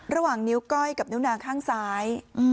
ระหว่างนิ้วก้อยกับนิ้วนางข้างซ้าย